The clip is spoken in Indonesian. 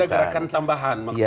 ada gerakan tambahan maksudnya